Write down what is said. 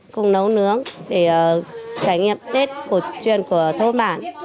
cùng nấu nướng để trải nghiệm tết cổ truyền của thôn bản